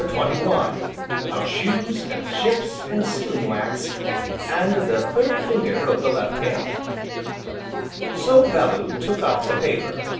CHAPTER XXI Of shoes, and ships, and sealing wax, and the third finger of the left hand So Bellew took up the paper.